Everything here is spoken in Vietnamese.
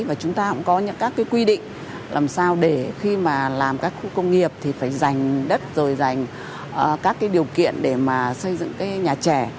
và chúng ta cũng có những các cái quy định làm sao để khi mà làm các khu công nghiệp thì phải dành đất rồi dành các cái điều kiện để mà xây dựng cái nhà trẻ